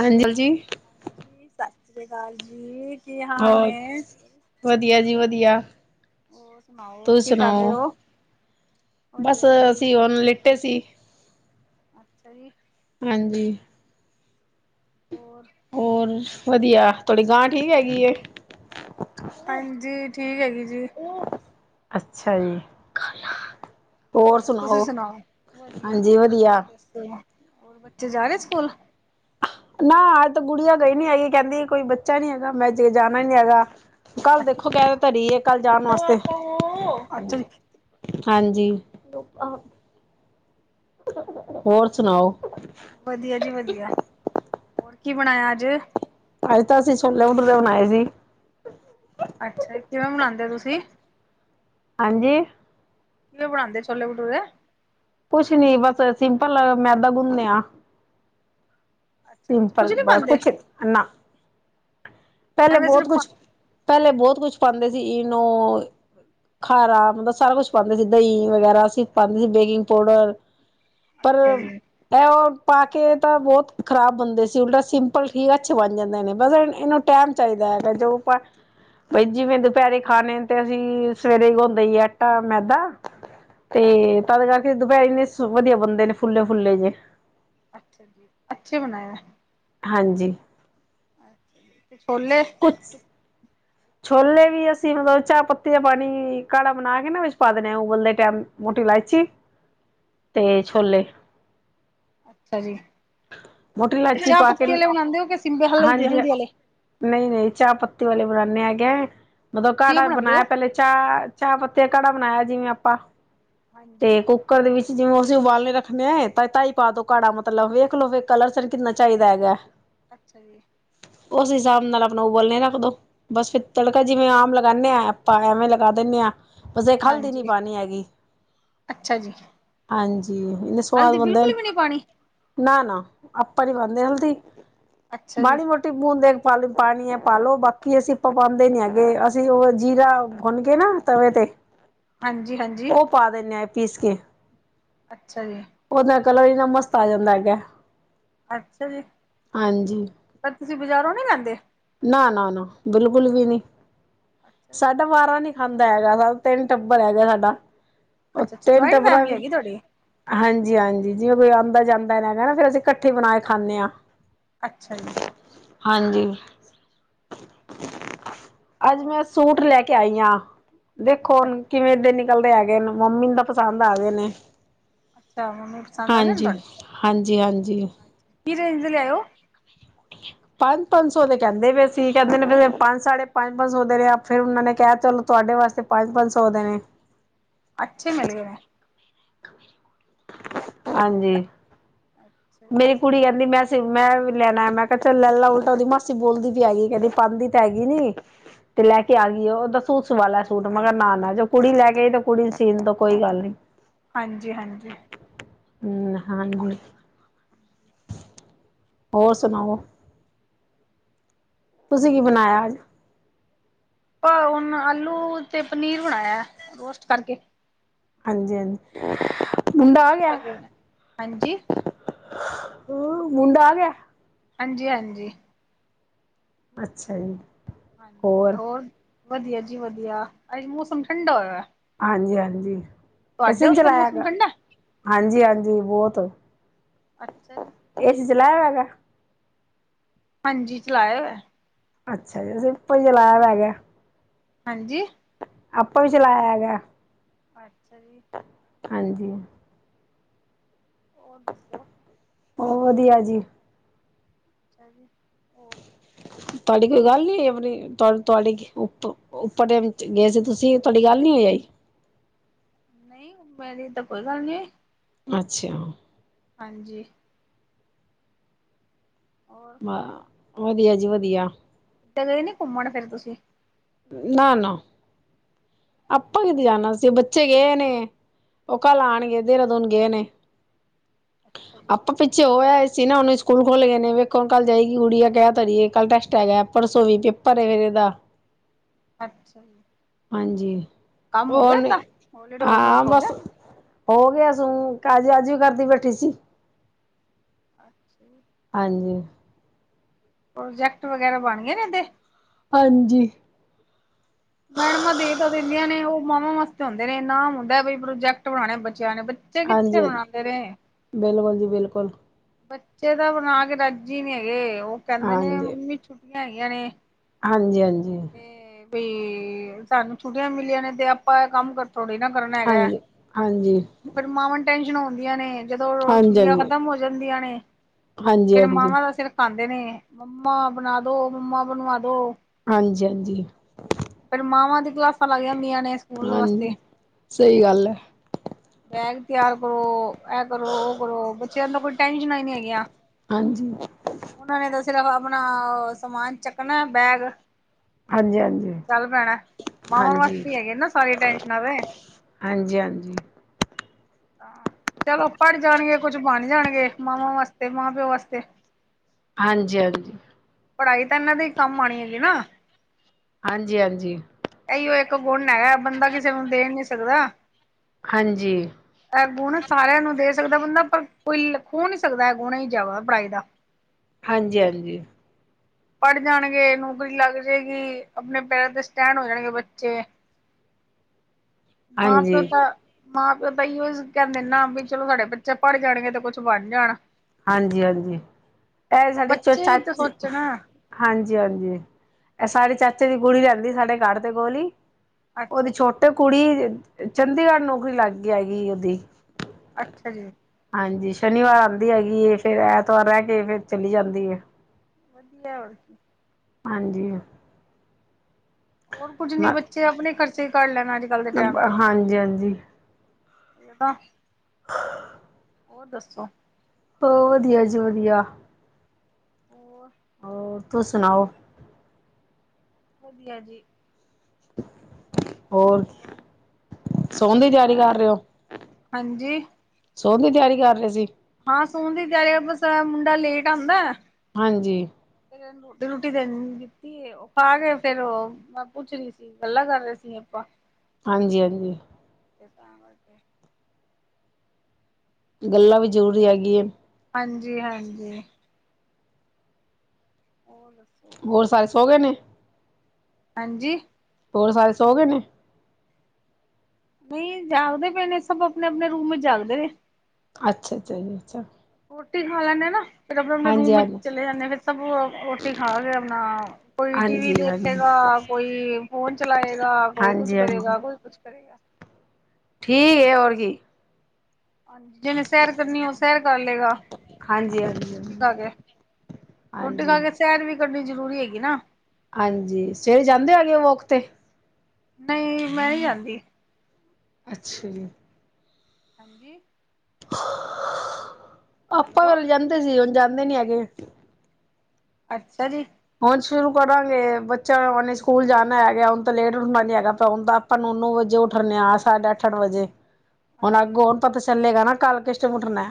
ਹਾਂਜੀ ਜੀ। ਹਾਂਜੀ ਸਤਿ ਸ੍ਰੀ ਅਕਾਲ ਜੀ। ਕੀ ਹਾਲ ਹੋਰ, ਨੇ ਵਧੀਆ ਜੀ, ਵਧੀਆ। ਹੋਰ ਸੁਣਾਓ ਤੂੰ ਕੀ ਕਰ ਰਹੇ ਸੁਣਾਓ? ਹੋ ਬਸ, ਵਧੀਆ ਜੀ ਅਸੀਂ ਉਹਨੂੰ ਲ ਤੇ ਸੀ। ਅੱਛਾ ਜੀ। ਹਾਂਜੀ। ਹੋਰ ਹੋਰ, ਵਧੀਆ, ਤੁਹਾਡੀ ਗਾਂ ਠੀਕ ਹੈਗੀ। ਹਾਂਜੀ। ਠੀਕ ਹੈਗੀ ਜੀ। ਅੱਛਾ ਜੀ। ਹੋਰ, ਤੁਸੀਂ ਸੁਣਾਓ, ਵਧੀਆ, ਹਾਂਜੀ ਵਧੀਆ ਹੋਰ ਦੱਸੋ ਹੋਰ ਬੱਚੇ ਜਾ ਰ ਸਕੂਲ? ਨਾ, ਅੱਜ ਤਾਂ ਗੁੜੀਆਂ ਗਈ ਨੀ ਹੈਗੀ ਕਹਿੰਦੀ ਕੋਈ ਬੱਚਾ ਨੀ ਹੈਗਾ, ਮੈਂ ਅਜੇ ਜਾਣਾ ਨੀ ਹੈਗਾ। ਕੱਲ ਦੇਖੋ ਕਹਿ ਅੱਛਾ ਧਰੀ ਹੈ ਕੱਲ ਜਾਣ ਵਾਸਤੇ। ਅੱਛਾ ਜੀ ਹਾਂਜੀ। ਹੋਰ ਸੁਣਾਓ? ਵਧੀਆ ਜੀ ਵਧੀਆ। ਹੋਰ ਕੀ ਬਣਾਇਆ ਅੱਜ? ਅੱਜ ਤਾਂ ਅਸੀਂ ਛੋਲੇ ਟ ਲਨ ਆਏ ਸੀ। ਅੱਛਾ। ਕਿਵੇਂ ਮਨਾਉਂਦੇ ਹੋ ਤੁਸੀਂ? ਹਾਂਜੀ। ਕਿਵੇ ਬਨਾਦੇ ਛੋਲੇ -ਭਠੁਰੇ। ਕੁਛ ਨੀ ਬਸ, ਸਿੰਪਲ ਮੈਦਾ ਗੁੰਨਨੇ ਆਂ। ਅੱਛਾ ਵਿੱਚ ਕੁੱਝ ਸਿੰਪਲ ਨੀ ਬ ਪਾਉਂਦੇ ਕੁਛ, ਨਾ, ਪਹਿਲੇ ਐਵੇਂ ਬਹੁਤ ਸਿਰਫ ਪਾ ਕੁਛ। ਪਹਿਲੇ ਬਹੁਤ ਕੁਛ ਪਾਉਂਦੇ ਸੀ ਇਨੋ ਖਾਰਾ ਮਤਲਬ ਸਾਰਾ ਕੁਛ ਪਾਂਦੇ ਸੀ, ਦਹੀਂ ਵਗੈਰਾ ਅਸੀਂ ਪਾਂਦੇ ਸੀ, ਬੇਕਿੰਗ ਪੋਡਰ। ਪਰ ਅੱਛਾ ਜੀ ਇਹ ਉਹ ਪਾ ਕੇ ਤਾਂ ਬਹੁਤ ਖ਼ਰਾਬ ਬੰਦੇ ਸੀ ਉਲਟਾ ਸਿੰਪਲ ਠੀਕ ਅੱਛੇ ਬਣ ਜਾਂਦੇ ਨੇ ਬਸ ਇਹਨੂੰ ਟਾਈਮ ਚਾਹੀਦਾ। ਹੈਗਾ ਜੋ ਆਪਾਂ ਬਾਈ ਜਿਵੇਂ ਦੁਪਹਿਰੇ ਖਾਣੇ ਤੇ ਅਸੀਂ ਸਵੇਰੇ ਗਉਂਦੇ ਈਏ ਆਟਾ- ਮੈਦਾ। ਤੇ ਹਾਂਜੀ ਤਦ ਕਰਕੇ ਦੁਪਹਿਰ ਇੰਨੇ ਵਧੀਆ ਬੰਦੇ ਨੇ ਫੁੱਲਲੇ ਫੁੱਲੇ ਜੇ। ਅੱਛਾ ਜੀ, ਅੱਛੇ ਬਣਾਏ ਹੈ। ਹਾਂਜੀ। ਅੱ ਛੋਲੇ। ਕੁਛ ਛੋਲੇ ਵੀ ਅਸੀਂ ਮਤਲਬ ਚਾਹ ਪੱਤੀ ਦਾ ਪਾਣੀ ਕਾੜਾ ਬਣਾ ਕੇ ਨਾ ਵਿੱਚ ਪਾ ਦੇਣੇ ਉਬਲਦੇ ਟਾਈਮ। ਮੋਟੀ ਇਲਾਇਚੀ। [unintelligible] ਤੇ ਜੀ ਛੋਲੇ। ਅੱਛਾ ਜੀ। ਮੋਟੀ ਇਲਾਇਚੀ ਪਾ ਕੇ ਚਾਹਪੱਤੀ ਵਾਲੇ ਬਣਾਉਂਦੇ ਹੋ, ਕੇ ਸਿੰਬੇ ਹਲ ਹਲਦੀ ਵਾਲੇ? ਨਹੀਂ-ਨਹੀਂ ਚਾਹ ਪੱਤੀ ਵਾਲੇ ਬਣਾਉਨੇ ਹੈਗੇ, ਮਤਲਬ ਕਿਵੇਂ ਕਾੜਾ ਵੀ ਬਣਾਉਂਦੇ ਬਣਾਇਆ ਹੋ ਪਹਿਲੇ ਚਾਹ-ਚਾਹ ਪੱਤੇ ਘੜਾ ਬਣਾਇਆ ਜਿਵੇਂ ਆਪਾਂ ਹਾਂਜੀ ਤੇ ਕੁ ਰ ਦੇ ਵਿੱਚ ਜਿਵੇਂ ਅਸੀਂ ਉਬਾਲਣੇ ਰੱਖਣੇ ਹਏ ਤਾਂ ਧਾਈ ਪਾ ਦੋ ਘਾੜਾ ਮਤਲਬ ਵੇਖ ਲੋਵੇ ਕਲਰ। ਕਿੰਨਾ ਚਾਹੀਦਾ ਹੈਗਾ? ਅੱਛਾ ਜੀ ਉਸ ਹਿਸਾਬ ਨਾਲ ਆਪਣਾ ਉਬਲਣੇ ਰੱਖ ਦਿਉ ਬਸ ਫਿਰ ਤੜਕਾ ਜਿਵੇਂ ਆਮ ਲਗਾਉਂਦੇ ਹਾਂ ਆਪਾਂ ਐਵੇਂ ਲਗਾ ਦਿੰਦੇ ਹਾਂ। ਬਸ ਇੱਕ ਹਲਦੀ ਨਹੀਂ ਹਾਂਜੀ ਪਾਣੀ ਹੈਗੀ। ਅੱਛਾ ਜੀ ਹਾਂਜੀ ਇਨੇ ਸਵਾਦ ਹਲਦੀ ਬਣਦੇ ਨੇ ਬਿਲਕੁਲ ਵੀ ਨਹੀਂ ਪਾਣੀ ਨਾ-ਨਾ ਆਪਾਂ ਨੀ ਬਣਦੇ ਹਲਦੀ ਅੱਛਾ ਜੀ ਮਾੜੀ ਮੋਟੀ ਬੂੰਦ ਪਾ ਪਾਣੀ ਪਾਲੋ ਬਾਕੀ ਅਸੀਂ ਪਾਉਦੇ ਨੀ ਹੈਗੇ ਅਸੀਂ ਉਹ ਜੀਰਾ ਗੁੰਨ ਗਏ ਨਾ ਤਵੇ ਤੇ ਹਾਂਜੀ-ਹਾਂਜੀ ਉਹ ਪਾ ਦਿੰਨੇ ਆ ਪੀਸ ਕੇ ਅੱਛਾ ਜੀ। ਉਹ ਦੇ ਨਾਲ ਕਲਰ ਐਨਾ ਮਸਤ ਆ ਜਾਂਦਾ ਹੈਗਾ। ਅੱਛਾ ਜੀ ਹਾਂਜੀ ਪਰ ਤੁਸੀਂ ਬਾਜ਼ਾਰੋਂ ਨਹੀਂ ਲੈਂਦੇ? ਨਾ, ਨਾ, ਨਾ ਬਿਲਕੁਲ ਵੀ ਨੀ ਅੱਛਾ ਜੀ ਸਾਡਾ ਬਾਰਾਂ ਨੀ। ਖਾਂਦਾ ਹੈਗਾ, ਸ ਤਿੰਨ ਟੱਬਰ ਹੈਗਾ ਸਾਡਾ, ਉਹ ਅੱਛਾ ਅੱਛਾ ਤਿੰਨ ਜੁਆਇੰਟ ਟੱਬਰਾਂ ਫੈਮਿਲੀ ਵੀ ਹੈਗੀ ਤੁਹਾਡੀ ਹਾਂਜੀ-ਹਾਂਜੀ ਜਿਵੇਂ ਕੋਈ ਆਉਂਦਾ ਜਾਂਦਾ ਨਾ ਫਿਰ ਅਸੀਂ ਇਕੱਠੇ ਬਣਾ ਕੇ ਖਾਂਦੇ ਹਾਂ। ਅੱਛਾ ਜੀ। ਹਾਂਜੀ। ਅੱਜ ਹੋਰ ਮੈਂ ਸੂਟ ਲੈ ਕੇ ਆਈ ਆ ਦੇਖੋ ਹੁਣ ਕਿਵੇਂ ਦਿਨ ਚੱਲਦੇ ਹੈਗੇਏ ਨੇ ਮੰਮੀ ਨੂੰ ਤਾਂ ਪਸੰਦ ਆ ਗਏ ਨੇ। ਅੱਛਾ ਮੰਮੀ ਪਸੰਦ ਆ ਗਏ ਨੇ ਹਾਂਜੀ, ਤੁਹਾਨੂੰ ਹਾਂਜੀ, ਹਾਂਜੀ। ਕੀ ਰੇਂਜ ਲਿਆਇਓ ਪੰਜ-ਪੰਜ ਸੌ ਦੇ ਕਹਿੰਦੇ ਵੀ ਅਸੀਂ ਕਹਿੰਦੇ ਨੇ, ਪੰਜ ਸਾਢੇ ਪੰਜ-ਪੰਜ ਸੌ ਦੇ ਨੇ ਫਿਰ ਉਹਨਾਂ ਨੇ ਕਿਹਾ ਚਲੋ ਤੁਹਾਡੇ ਵਾਸਤੇ ਪੰਜ-ਪੰਜ ਸੌ ਦੇ ਨੇ ਅੱਛੇ ਮਿਲ ਗਏ ਨੇ। ਹਾਂਜੀ ਅੱਛਾ [inaudible] ਜੀ, ਮੇਰੀ ਕੁੜੀ ਕਹਿੰਦੀ ਮੈਂ-ਮੈਂ ਵੀ ਲੈਣਾ ਮੈਂ ਕਿਹਾ ਚੱਲ ਲੈ ਲਾਂ ਉਲਟਾ ਉਹਦੀ ਮਾਸੀ ਬੋਲਦੀ ਵੀ ਹੈਗੀ ਕਦੀ ਪਾਂਦੀ ਤਾਂ ਹੈਗੀ ਨਹੀਂ। ਤੇ ਲੈ ਕੇ ਆ ਗਈ ਆ ਉਹ ਦੱਸੋ? ਸੂ ਸਵਾਲਾ ਸੂਟ ਮੈਂ ਕਿਹਾ ਨਾ-ਨਾ ਜੋ ਕੁੜੀ ਲੈ ਕੇਈ ਤੇ ਕੁੜੀ ਨੋ ਸੀਨ ਦੋ ਕੋਈ ਗੱਲ ਨੀ। ਹਾਂਜੀ-ਹਾਂਜੀ ਹੂੰ ਹਾਂ ਗ [unintelligible] ਹੋਰ ਸੁਣਾਓ? ਤੁਸੀਂ ਕੀ ਬਣਾਇਆ ਅੱਜ? ਪਰ ਹੁਣ ਆਲੂ ਤੇ ਪਨੀਰ ਬਣਾਇਆ ਰੋਸਟ ਕਰਕੇ। ਹਾਂਜੀ-ਹਾਂਜੀ। ਲ ਹਾਂਜੀ। ਹੂੰ ਮੁੰਡਾ ਗਿਆ। ਹਾਂਜੀ-ਹਾਂਜੀ, ਅੱਛਾ ਜੀ। ਹਾਂਜੀ ਹੋਰ ਵਧੀਆ ਜੀ ਵਧੀਆ ਅੱਜ ਮੌਸਮ ਠੰਡਾ ਹੋਇਆ। ਹਾਂਜੀ-ਹਾਂਜੀ, ਇਸ ਤੁਹਾਡੇ ਨੂੰ ਉੱਥੇ ਚਲਾਇਆ ਮੌਸਮ ਹੈਗਾ ਠੰਡਾ ਹਾਂਜੀ-ਹਾਂਜੀ ਬਹੁਤ ਅੱਛਾ ਜੀ। ਏਸੀ ਚਲਾਇਆ ਆਗਾ। ਹਾਂਜੀ, ਚਲਾਈਆ ਹੋਈਆ, ਅੱਛਾ ਜੀ, ਅਸੀਂ [unintelligible] ਗਿਆ। ਹਾਂਜੀ, ਆਪਾਂ ਵੀ ਚਲਾਇਆ ਹੈਗਾ [unintelligible] ਹਾਂਜੀ, ਹੋਰ ਦੱਸੋ? ਹੋਰ ਵਧੀਆ ਜੀ, [unintelligible] ਤੁਹਾਡੀ ਕੋਈ ਗੱਲ ਆਪਣੀ ਤੁਹਾਡੀ ਕੀ ਉੱਪ ਉੱਪਰ ਟਾਈਮ ਗਏ ਸੀ, ਤੁਸੀਂ ਤੁਹਾਡੀ ਗੱਲ ਨੀ ਹੋਈ। ਨਹੀਂ ਐਵੇ ਦੀ ਤਾਂ ਕੋਈ ਗੱਲ ਨੀ। ਅੱਛਾ, ਹਾਂਜੀ, ਹੋਰ ਵਧੀਆ ਜੀ ਵਧੀਆ, ਕਿਤੇ ਗਏ ਨੀ ਘੁੰਮਣ ਫੇਰ ਤੁਸੀਂ? ਨਾ-ਨਾ ਆਪਾਂ ਅੱਛਾ ਜੀ ਕਿਤੇ ਜਾਣਾ ਸੀ ਬੱਚੇ ਗਏ ਨੇ ਉਹ ਕੱਲ ਅੱਛਾ ਜੀ ਆਣਗੇ ਦੇਹਰਾਦੂਨ ਗਏ ਨੇ, ਅੱਛਾ ਜੀ ਆਪ ਪਿੱਛੇ ਹੋਇਆ ਸੀ ਨਾ ਉਹਨੂੰ ਸਕੂਲ ਖੁੱਲ ਗਏ ਨੇ, ਵੇਖੋ ਕੱਲ ਜਾਏਗੀ, ਗੁੜੀਆ ਕਿਹ ਤਾ ਰਹੀ ਏ ਕੱਲ੍ਹ ਟੈਸਟ ਹੈ ਗਾ, ਪਰਸੋਂ ਵੀ ਪੇ ਭਰੇ ਫੇਰੇ ਦਾ, ਅੱਛਾ ਜੀ। ਹਾਂਜੀ, ਕੰਮ ਹੋ ਗਿਆ ਉਹਨੀ ਏਦਾਂ ਹੋਲੀਡੇ ਹਾਂ ਹੋਮਵਰਕ ਹੋ ਬਸ ਗਿਆ ਹੋ ਗਿਆ ਸੂੰ ਕਾਜ ਅੱਜ ਵੀ ਕਰਦੀ ਬੈਠੀ ਸੀ। ਅੱਛਾ ਜੀ, ਹਾਂਜੀ, ਪ੍ਰੋਜੈਕਟ ਵਗੈਰਾ ਬਣ ਗਏ ਨੇ ਇਹਦੇ? ਹਾਂਜੀ, ਮੈਡਮਾਂ ਦੇ ਤਾਂ ਦਿੰਦੀਆਂ, ਨੇ ਉਹ ਮਾਵਾਂ ਵਾਸਤੇ ਹੁੰਦੇ ਨੇ ਨਾਮ ਹੁੰਦੇ ਨੇ ਪ੍ਰੋਜੈਕਟ ਬਣਾਣੇ ਬੱਚਿਆਂ ਨੇ ਬੱਚੇ ਹਾਂਜੀ ਕਿੱਥੇ ਹਾਂਜੀ ਬਣਾਦੇ ਨੇ, ਬਿਲਕੁਲ ਜੀ ਬਿਲਕੁਲ, ਬੱਚੇ ਤਾਂ ਬਣਾ ਕੇ ਰੱਜੀ ਹੀ ਨਹੀਂ ਹੈਗੇ, ਉਹ ਕਹਿੰਦੇ ਨੇ ਮੰਮੀ ਛੁੱਟੀਆਂ ਹੈਗੀਆਂ ਨੇ, ਹਾਂਜੀ-ਹਾਂਜੀ, ਬਈ ਸਾਨੂੰ ਛੁੱਟੀਆਂ ਮਿਲੀਆਂ ਨੇ ਤੇ ਆਪਾਂ ਇਹ ਕੰਮ ਕਰ ਥੋੜੇ ਨਾ, ਕਰਨ ਹੈਗਾ, ਹਾਂਜੀ ਹਾਂਜੀ ਉਹ ਫੇਰ ਮਾਵਾਂ ਟੈਨਸ਼ਨ ਆਦੀਆਂ, ਨੇ ਜਦੋਂ ਹਾਂਜੀ ਛੁੱਟੀਆਂ ਹਾਂਜੀ ਹਾਂਜੀ ਖ਼ਤਮ ਹੋ, ਜਾਂਦੀਆਂ ਨੇ ਫਿਰ ਹਾਂਜੀ ਮਾਵਾਂ ਦਾ ਸਿਰ ਖਾਂਦੇ ਨੇ ਮੰਮਾ ਬਣਾ ਦੋ ਮੰਮਾ ਬਣਵਾ ਦੋ, ਹਾਂਜੀ-ਹਾਂਜੀ, ਫਿਰ ਮਾਵਾਂ ਦੀ ਕਲਾਸਾਂ ਲੱਗ ਜਾਂਦੀਆਂ ਨੇ, ਸਕੂਲ ਵਾਸਤੇ ਹਾਂਜੀ, ਸਹੀ ਗੱਲ ਹੈ। ਬੈਗ ਤਿਆਰ ਕਰੋ, ਇਹ ਕਰੋ ਉਹ ਕਰੋ, ਬੱਚਿਆਂ ਦਾ ਕੋਈ ਟੈਨਸ਼ਨਾਂ ਹੀ ਨਹੀਂ ਹੈਗੀਆਂ। ਹਾਂਜੀ, ਉਹਨਾਂ ਨੇ ਤਾਂ ਸਿਰਫ਼ ਆਪਣਾ ਸਮਾਨ ਚੱਕਣਾ ਬੈਗ, ਹਾਂਜੀ ਹਾਂਜੀ ਚੱਲ ਪੈਣਾ ਮਾਵਾਂ ਵਾਸਤੇ ਹੀ ਹੈਗਿਆ ਨਾ ਸਾਰੀਆਂ ਟੈਨਸ਼ਨਾਂ ਤੇ, ਹਾਂਜੀ-ਹਾਂਜੀ, ਚਲੋ ਪੜ ਜਾਣਗੇ, ਕੁਛ ਬਣ ਜਾਣਗੇ। ਮਾਵਾਂ ਵਾਸਤੇ ਮਾਂ ਪਿਓ ਵਾਸਤੇ ਹਾਂਜੀ, ਹਾਂਜੀ। ਪੜ੍ਹਾਈ ਤਾਂ ਇਹਨਾਂ ਦੇ ਕੰਮ ਆਉਣੀ ਹੈਗੀ ਨਾਂ। ਹਾਂਜੀ, ਹਾਂਜੀ। ਇਹੀਓ ਇੱਕ ਗੁਣ ਹੈਗਾ, ਬੰਦਾ ਕਿਸੇ ਨੂੰ ਦੇ ਨੀਂ ਸਕਦਾ। ਹਾਂਜੀ। ਇਹ ਗੁਣ ਸਾਰਿਆਂ ਨੂੰ ਦੇ ਸਕਦਾ ਬੰਦਾ, ਪਰ ਕੋਈ ਖੋ ਨਹੀਂ ਸਕਦਾ। ਇਹ ਗੁਣ ਜੋ ਹੈਗਾ ਪੜ੍ਹਾਈ ਦਾ। ਹਾਂਜੀ, ਹਾਂਜੀ। ਪੜ੍ਹ ਜਾਣਗੇ, ਨੌਕਰੀ ਲੱਗ ਜਾਏਗੀ, ਆਪਣੇ ਪੈਰਾਂ ਤੇ ਸਟੈਂਡ ਹੋ ਜਾਣਗੇ ਬੱਚੇ। [inaudible] ਮਾਂ ਹਾਂਜੀ ਪਿਓ ਤਾਂ ਮਾਂ ਪਿਓ ਤਾਂ ਇਔ ਕਹਿੰਦੇ ਨੇਂ ਨਾਂ ਵੀ ਚਲੋ, ਸਾਡੇ ਬੱਚੇ ਪੜ ਜਾਣਗੇ ਤੇ ਕੁਛ ਬਣ ਜਾਣ। ਹਾਂਜੀ, ਹਾਂਜੀ। ਇਹ ਸਾਡੀ ਚ ਬੱਚੇ ਵੀ ਤਾਂ ਚਾਚੀ ਸੋਚਣ [unintelligible] ਹਾਂਜੀ ਹਾਂਜੀ, ਇਹ ਸਾਡੇ ਚਾਚੇ ਦੀ ਗੁੜੀ ਲੈਂਦੀ ਸਾਡੇ ਗੜ ਤੇ ਗੋਲੀ ਅੱਛਾ ਉਹਦੀ ਜੀ ਛੋਟੀ ਤੇ ਕੁੜੀ ਚੰਡੀਗੜ੍ਹ ਨੌਕਰੀ ਲੱਗ ਗੀ ਹੇਗੀ ਉਹਦੀ। ਅੱਛਾ ਜੀ। ਹਾਂਜੀ, ਸ਼ਨੀਵਾਰ ਆਂਦੀ ਹੈਗੀ ਐ, ਫੇਰ ਐਤਵਾਰ ਰਹਿ ਕੇ ਫੇਰ ਚਲੀ ਜਾਂਦੀ ਐ। ਵਧੀਆ ਹੋਰ ਹਾਂਜੀ। ਹੋਰ ਕੁੱਝ ਨੀਂ ਬੱਚੇ ਆਪਣੇ ਖਰਚੇ ਹੀ ਕਢੱ ਲੈਣ ਅੱਜ-ਕੱਲ ਦੇ ਟਾਈਮ ਤੇ ਹਾਂਜੀ ਹਾਂਜੀ ਜਗਹਾ ਹੋਰ ਦੱਸੋ। ਓ ਵਧੀਆ ਜੀ, ਵਧੀਆ। ਹੋਰ ਹੋਰ ਤੁਸੀਂ ਸੁਣਾਓ। ਵਧੀਆ ਜੀ। [unintelligible] ਹੋਰ, ਸੋਣ ਦੀ ਤਿਆਰੀ ਬਸ ਕਰ ਰਹੇ ਔ। ਹਾਂਜੀ ਸੋਨ ਦੀ ਤਿਆਰੀ ਕਰ ਰਹੇ ਸੀ। ਹਾਂ, ਸੋਣ ਦੀ ਤਿਆਰੀ ਬਸ, ਮੁੰਡਾ ਲੇਟ ਆਂਦਾ ਹਾਂਜੀ। ਤੇ ਰੁਟੀ ਦੇਣ ਨ [unintelligible] ਖਾ ਕੇ ਫੇਰ ਉਹ, ਮੈਂ ਪੁੱਛ ਰਹੀ ਸੀ। ਗੱਲਾਂ ਕਰ ਰਹੇ ਸੀ ਆਪਾਂ। ਹਾਂਜੀ, ਹਾਂਜੀ। ਤੇ ਤਾਂ ਕਰਕੇ। ਗੱਲਾਂ ਵੀ ਜ਼ਰੂਰੀ ਹੈਗੀ ਹੈ। ਹਾਂਜੀ ਹਾਂਜੀ। ਹੋਰ ਦੱਸੋ। ਹੋਰ ਸਾਰੇ ਸੋ ਗਏ ਨੇਂ। ਹਾਂਜੀ ਹੋਰ ਸਾਰੇ ਸੋ ਗਏ ਨੇਂ ਨਈਂ ਜਾਗਦੇ ਪਏ ਣੇ, ਸਭ ਆਪਣੇ-ਆਪਣੇ ਰੂਮ ਵਿੱਚ ਜਾਗਦੇ ਨੇਂ। ਅੱਛਾ ਜੀ [unintelligible] ਰੋਟੀ ਖਾ ਲੈਂਣੇ ਆ ਨਾਂ ਫਿਰ ਆਪਣੇ-ਆਪਣੇ ਹਾਂਜੀ ਰੂਮ ਵਿੱਚ ਹਾਂਜੀ। ਚਲੇ ਜਾਂਣੇ। ਫਿਰ ਸਭ ਰੋਟੀ ਖਾ ਕੇ ਆਪਣਾ ਕੋਈ ਟੀ ਵੀ ਹਾਂਜੀ ਹਾਂਜੀ ਦੇਖੇਗਾ ਕੋਈ ਫੋਨ ਚਲਾਏਗਾ, ਕੋਈ ਕੁਛ ਹਾਂਜੀ ਹਾਂਜੀ ਕਰੇਗਾ, ਕੋਈ ਕੁਛ ਕਰੇਗਾ। ਠੀਕ ਐ, ਹੋਰ ਕੀ ਹਾਂਜੀ, ਜਿਹਨੇ ਸੈਰ ਕਰਨੀ, ਉਹ ਸੈਰ ਕਰ ਲਏਗਾ। ਹਾਂਜੀ ਹਾਂਜੀ ਰੋਟੀ ਹਾਂਜੀ। ਖਾ ਕੇ, ਰੋਟੀ ਖਾ ਹਾਂਜੀ ਕੇ ਸੈਰ ਵੀ ਕਰਨੀ ਜ਼ਰੂਰੀ ਹੈਗੀ ਨਾਂ। ਹਾਂਜੀ, ਸਵੇਰੇ ਜਾਂਦੇ ਹੈਗੇ ਵੋਕ ਤੇ। ਨਈਂ, ਮੈਂ ਨਈਂ ਜਾਂਦੀ। ਅੱਛਾ ਜੀ। ਹਾਂਜੀ। ਆਪਾਂ ਹੈਲੋ, ਵਲੇ ਜਾਂਦੇ ਸੀ, ਹੁਣ ਜਾਂਦੇ ਨੀਂ ਹੈਗੇ ਅੱਛਾ ਜੀ। ਹੁਨ ਸ਼ੁਰੂ ਕਰਾਂਗੇ, ਬੱਚਾ ਉਹਨੇ ਸਕੂਲ ਜਾਨਾ ਹੈਗਾ। ਹੁਨ ਤਾਂ ਲੇਟ ਉਠਨਾ ਨੀ ਹੈਗਾ, ਹੁਨ ਤਾਂ ਆਪਾਂ ਨੋ-ਨੋ ਵਜੇ ਉੱਠ ਨੇਂ ਆਂ ਸਤ ਸਤ, ਅੱਠ-ਅੱਠ ਵਜੇ [inaudible] ਹੁਣ ਅੱਗੋ ਜੀ। ਹੁਣ ਪਤਾ ਚੱਲੇਗਾ ਨਾਂ, ਕੱਲ ਕਿਸ਼ਟ ਮੁੱਟਨਾ।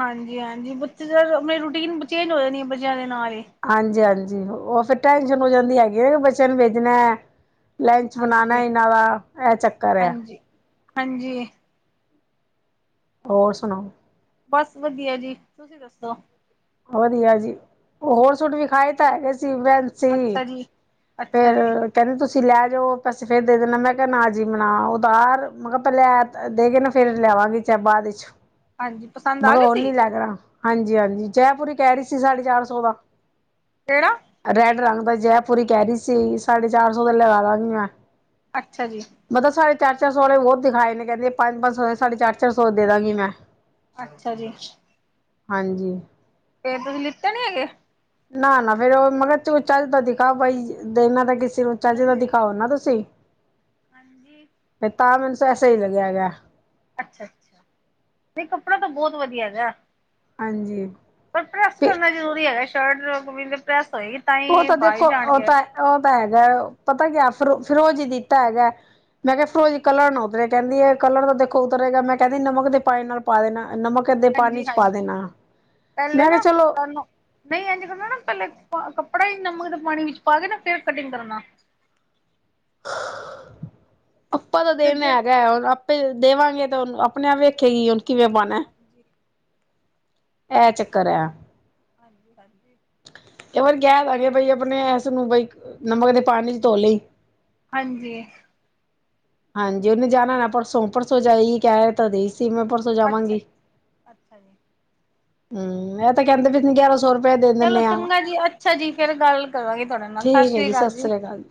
ਹਾਂਜੀ-ਹਾਂਜੀ, ਬੱਚੇ [unintelligible] ਮੇਰੀ ਰੂਟੀਨ ਚੇਂਜ ਹੋ ਜਾਣੀ ਬੱਚੇਆਂ ਦੇ ਨਾਲ ਈ। ਹਾਂਜੀ-ਹਾਂਜੀ, ਓ ਫੇਰ ਟੈਂਸ਼ਨ ਹੋ ਜਾਂਦੀ ਹੈਗੀ ਐ ਬੱਚੇਆਂ ਨੂੰ ਭੇਜਨਾ। ਲੰਚ ਬਨਾਨਾ ਹਾਂਜੀ ਇਨਾਂ ਦਾ, ਐ ਚੱਕਰ ਐ। ਹਾਂਜੀ ਹਾਂਜੀ। ਹੋਰ ਸੁਣਾਓ। ਬਾਸ ਵਦੀਆ ਜੀ, ਤੁਸੀ ਦੱਸੋ? ਵਦੀਆ ਜੀ, ਓ ਹੋਰ ਸੂਟ ਵੀਖਾਏ ਤਾ ਹੈਗੇ ਸੀ ਵੈ ਸੀ, ਅੱਛਾ ਜੀ ਅੱਛਾ ਫਿਰ ਜੀ ਕਹਿੰਦੇ ਤੁਸੀਂ ਲੈ ਜਾਓ ਪੈਸੇ, ਫਿਰ ਦੇ ਦੇਣਾ ਮੈਂ ਨਾ ਜੀ ਮਨਾ ਹਾਂਜੀ ਉਦਾਰ। ਮੈਂ ਕਿਹਾ ਲੈ ਦੇ ਕੇ ਨਾ ਫਿਰ ਲਿਆਵਾਂਗੀ। ਚ ਬਾਅਦ ਵਿੱਚ ਚ ਹਾਂਜੀ ਪਸੰਦ ਆ ਗਏ ਸੀ [inaudible] ਹਾਂਜੀ-ਹਾਂਜੀ, ਜੈਪੁਰੀ ਕੈ ਰੀ ਸੀ ਸਾਡੇ ਚਾਰ ਸੋ ਦਾ। ਕੇੜਾ? ਰੈਡ ਰੰਗ ਦਾ ਜੈਪੂਰੀ ਕੈ ਰੀ ਸੀ, ਸਾਢੇ ਚਾਰ ਸੌ ਦਾ ਲੇਆ ਦਾਂਗੀ ਮੈਂ। ਅੱਛਾ ਜੀ। ਮਤਲਬ ਸਾਡੇ ਚਾਰ-ਚਾਰ ਸੋ ਵਾਲੇ ਬੋਤ ਦਿਖਾਏ ਨੇ, ਕੈਂਦੀ ਪਾੰਜ-ਪਾੰਜ ਸੋ ਸਾਡੇ ਚਾਰ-ਚਾਰ ਸੋ ਦੇ ਦਾਂਗੀ ਮੈਂ। ਅੱਛਾ ਜੀ। ਹਾਂਜੀ। ਫੇਰ ਤੁਸੀਂ ਲਿੱਤੇ ਨੀ ਹੈਗੇ। ਨਾ, ਨਾ ਫੇਰ ਓ ਮਗਰ ਚ ਚੱਲ ਤਾਂ ਦਿਖਾ ਬਈ ਦੇਨਾ ਤਾਂ ਕਿਸੇ ਨੂੰ ਅੱਛਾ ਚੱਜ ਨਾ ਜੀ ਦਿਖਾਓ ਤੁਸੀਂ। ਹਾਂਜੀ। ਤਾਂ ਮੈਨੂੰ [unintelligible] ਅੱਛਾ-ਅੱਛਾ, ਨੀ ਕੱਪੜਾ ਤਾਂ ਬੋਤ ਵਦੀਆ ਹੈਗਾ ਹਾਂਜੀ। ਪਰ ਪ੍ਰੈੱਸ ਫ ਕਰਨਾ ਜ਼ਰੂਰੀ ਹੈਗਾ, ਸ਼ਰਟ ਪ੍ਰੈੱਸ ਹੋਏਗੀ। ਓ ਹੀ ਤਾਂ ਬਾਹਰ ਦੇਖੋ ਓ ਜਾਣਗੇ ਤਾਂ ਐ ਤਾਂ ਹੈਗੈ, ਪਤਾ ਕੇਆ ਫੇਰ ਫਿਰੋਜੀ ਦਿੱਤਾ ਹੈਗੈ। ਮੈਂ ਕੇਆ ਫਿਰੋਜੀ ਹਾਂਜੀ ਕਲਰ ਨੂੰ ਉਤਰੇ, ਕੈਂਦੀ ਐ ਕਲਰ ਤਾਂ ਦੇਖੋ ਉਤਰੇਗਾ ਮੈਂ ਕੈਂਦੀ ਨਮਕ ਦੇ ਪਾਣੀ ਨਾਲ ਪਾ ਦੇਨਾ ਏ ਨਮਕ ਦੇ ਪਾਨੀ ਹਾਂਜੀ ਚ ਪਾ ਹਾਂਜੀ ਦੇਨਾ, ਮੈਂ ਕੇਆ ਚਲੋ ਨਈ ਏਂਜ ਕਰਨਾ ਨਾ ਪੈਲੇ ਪਾ, ਕੱਪੜਾ ਈ ਨਮਕ ਦੇ ਪਾਣੀ ਵਿੱਚ ਪਾ ਕੇ ਨਾ ਫੇਰ ਕਟਿੰਗ ਕਰਨਾ। ਆਪਾਂ ਤਾਂ ਫਿਰ ਦਿਨਾਂ ਹੈਗਾ ਹੁਣ ਓਈ ਦੇਵਾਂਗੇ ਤੇ ਹੁਨ, ਅਪਨੇ ਆਪ ਵੇਖੇਗੀ ਹੁਨ ਕਿਵੇਂ ਪਾਨੈ ਹਾਂਜੀ, ਹਾਂਜੀ। ਐ ਚੱਕਰ ਐ। ਹਾਂਜੀ-ਹਾਂਜੀ। ਇਹ ਵਾਰੀ ਕਹਿ ਦਾਂਗੇ ਬਈ, ਆਪਣੇ ਇਸਨੂੰ ਬਈ ਨਮਕ ਦੇ ਪਾਣੀ ਚ ਤੋ ਲਈ। ਹਾਂਜੀ। ਹਾਂਜੀ, ਓਨੇ ਜਾਨਾ ਐ, ਅੱਛਾ। ਪਰਸੋ-ਪਰਸੋ ਜਾਈ ਕੈ ਤਾਂ ਰੀ ਸੀ ਮੈਂ ਪਰ ਅੱਛਾ ਜਾਵਾਂਗੀ, ਜੀ। ਅੱਛਾ ਜੀ। ਹੂੰ ਐ ਤਾਂ ਕੈਂਦੇ ਪਏ ਤੂ ਗੇਆਰਾਂ ਸੋ ਰ ਚਲੋ ਚੰਗਾ ਜੀ ਅੱਛਾ ਜੀ, ਫੇਰ ਗਾੱਲ ਕਰਾਂਗੇ ਤੁਹਾਡੇ ਨਾਲ ਸਾਸ ਠੀਕ ਹੈ ਸ੍ਰੀਆ ਕਾਲ ਸਤਿ ਜੀ। ਸ੍ਰੀ ਅਕਾਲ।